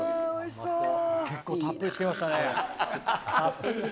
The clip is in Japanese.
結構たっぷりつけましたね。